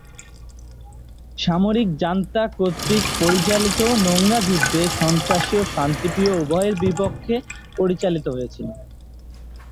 সামরিক জান্তা কর্তৃক পরিচালিত নোংরা যুদ্ধে সন্ত্রাসী ও শান্তিপ্রিয় উভয়ের বিপক্ষে পরিচালিত হয়েছিল।